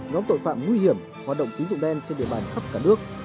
nhóm tội phạm nguy hiểm hoạt động tín dụng đen trên địa bàn khắp cả nước